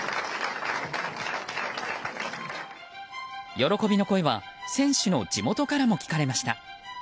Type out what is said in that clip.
喜びの声は選手の地元からも聞かれました。